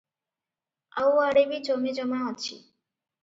ଆଉ ଆଡ଼େ ବି ଜମିଜମା ଅଛି ।